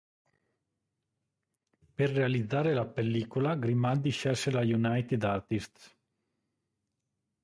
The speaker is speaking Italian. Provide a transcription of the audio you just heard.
Per realizzare la pellicola Grimaldi scelse la United Artists.